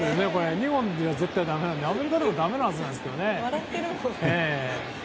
日本では絶対だめなのでアメリカでもだめなはずなんですけどね。